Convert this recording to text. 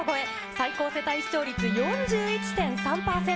最高世帯視聴率４１．３％。